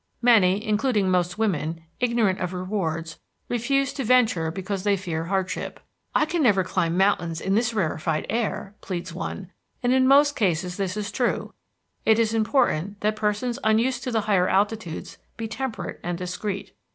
Many, including most women, ignorant of rewards, refuse to venture because they fear hardship. "I can never climb mountains in this rarefied air," pleads one, and in most cases this is true; it is important that persons unused to the higher altitudes be temperate and discreet.